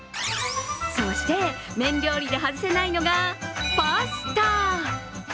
そして、麺料理で外せないのがパスタ。